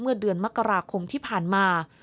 เมื่อเดือนมกราคมที่ผ่านมา